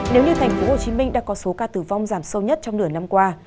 nếu như thành phố hồ chí minh đã có số ca tử vong giảm sâu nhất trong nửa năm qua